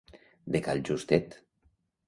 De cal Justet.